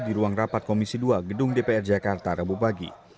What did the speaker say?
di ruang rapat komisi dua gedung dpr jakarta rabu pagi